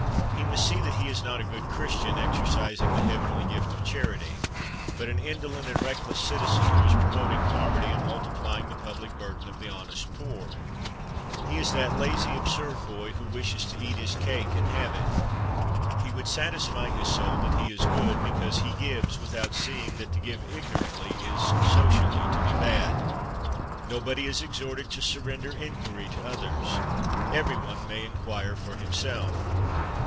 He must see that he is not a good Christian exercising the heavenly gift of charity, but an indolent and reckless citizen who is promoting poverty and multiplying the public burden of the honest poor. He is that lazy absurd boy who wishes to eat his cake and have it. He would satisfy his soul that he is good because he gives, without seeing that to give ignorantly is, socially, to be bad. Nobody is exhorted to surrender inquiry to others. Every one may inquire for himself.